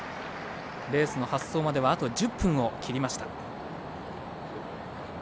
レースの発走まではあと１０分を切りました。